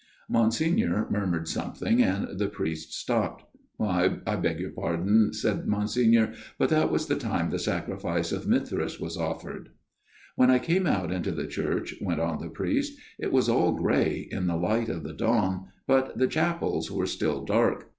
Monsignor murmured something, and the priest stopped. " I beg your pardon," said Monsignor, " but that was the time the sacrifice of Mithras was offered." " When I came out into the church," went on the priest, " it was all grey in the light of the dawn, but the chapels were still dark.